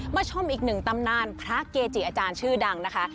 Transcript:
ชมอีกหนึ่งตำนานพระเกจิอาจารย์ชื่อดังนะคะ